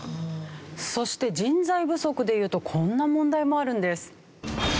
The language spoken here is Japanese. そして人材不足でいうとこんな問題もあるんです。